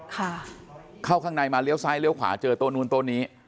ค่ะเข้าข้างในมาเลี้ยวซ้ายเลี้ยวขวาเจอโต๊นู้นโต๊ะนี้